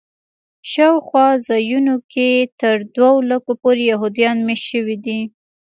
شاوخوا ځایونو کې تر دوه لکو پورې یهودان میشت شوي دي.